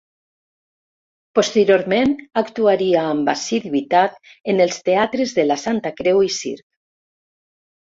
Posteriorment actuaria amb assiduïtat en els teatres de la Santa Creu i Circ.